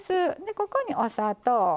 ここにお砂糖。